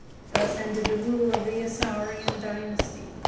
Thus ended the rule of the Isaurian dynasty.